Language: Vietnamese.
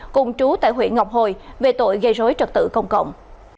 cùng trú tại huyện ngọc hồi về tội gây rối trật tự công cộng